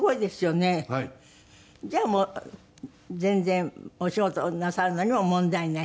じゃあもう全然お仕事をなさるのにも問題ない？